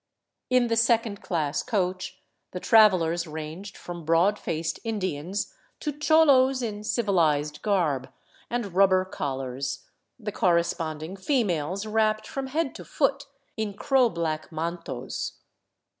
In the second class coach the travelers ranged from broad faced Indians to cholos in " civilized " garb and rubber collars, the corresponding females wrapped from head to foot in crow black mantos.